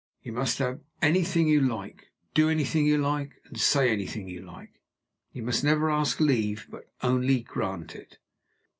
"You must have anything you like, do anything you like, and say anything you like. You must never ask leave but only grant it!"